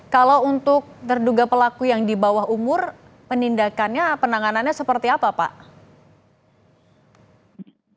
kalau untuk terduga pelaku yang di bawah umur penindakannya penanganannya seperti apa pak